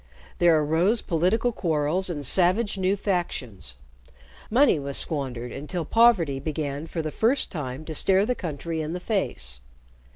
There arose political quarrels and savage new factions. Money was squandered until poverty began for the first time to stare the country in the face.